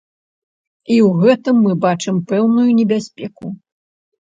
І ў гэтым мы бачым пэўную небяспеку.